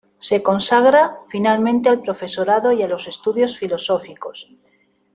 Se consagra, finalmente al profesorado y a los estudios filosóficos.